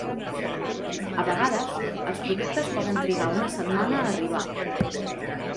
A vegades, els productes poden trigar una setmana a arribar.